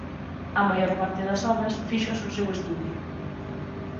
A maior parte das obras fíxoas no seu estudio.